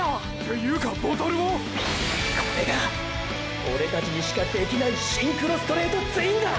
ていうかボトルを⁉これがオレたちにしかできないシンクロストレートツインだ！！